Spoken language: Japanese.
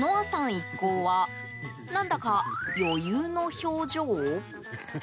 一行は何だか余裕の表情？